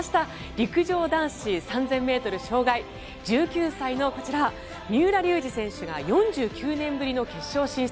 陸上男子３０００ｍ障害１９歳のこちら、三浦龍司選手が４９年ぶりの決勝進出。